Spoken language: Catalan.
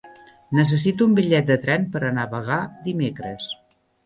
Necessito un bitllet de tren per anar a Bagà dimecres.